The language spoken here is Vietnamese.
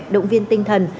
động viên tinh thần